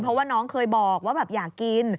เพราะว่าน้องเคยบอกว่าแบบอยากกิน